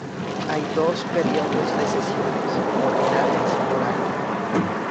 Hay dos periodos de sesiones ordinarias por año.